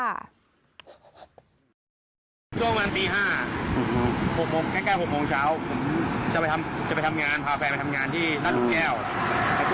ผมคิดว่าถ้าไม่แก้ไขนี้เนี่ย